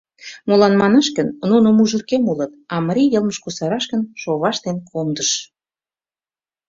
Молан манаш гын нуно мужыр кем улыт, марий йылмыш кусараш гын, — шоваш ден комдыш.